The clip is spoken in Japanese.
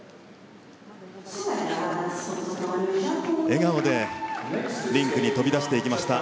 笑顔でリンクに飛び出していきました。